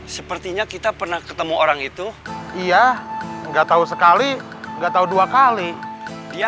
sepertinya kita pernah ketemu orang itu iya nggak tahu sekali nggak tahu dua kali